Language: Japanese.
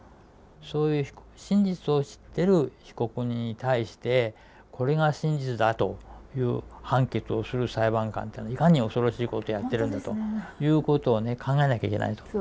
そういう真実を知ってる被告人に対してこれが真実だという判決をする裁判官というのはいかに恐ろしいことをやってるんだということをね考えなきゃいけないと。